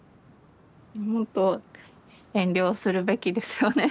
もっと遠慮するべきですよね。